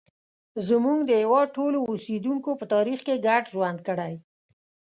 زموږ د هېواد ټولو اوسیدونکو په تاریخ کې ګډ ژوند کړی.